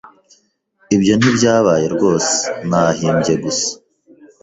Ibyo ntibyabaye rwose. Nahimbye gusa.